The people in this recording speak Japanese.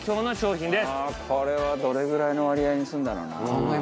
これはどれぐらいの割合にするんだろうな。